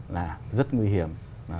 là rất nguy hiểm